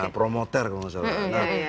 promoter kalau nggak salah